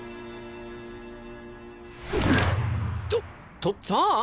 ととっつぁん⁉